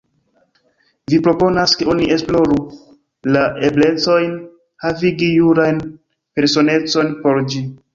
Vi proponas, ke oni esploru la eblecojn havigi juran personecon por ĝi.